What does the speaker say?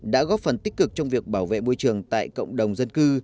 đã góp phần tích cực trong việc bảo vệ môi trường tại cộng đồng dân cư